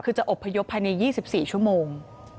คือจะอบพยพภายใน๒๔ชั่วโมง